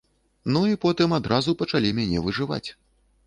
Ну і потым адразу пачалі мяне выжываць.